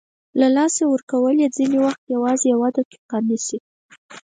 له لاسه ورکول یې ځینې وخت یوازې یوه دقیقه نیسي.